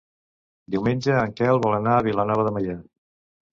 Diumenge en Quel vol anar a Vilanova de Meià.